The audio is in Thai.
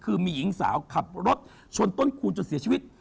คือมีหญิงสาวขับรถชนต้นคูณจนเสียชีวิต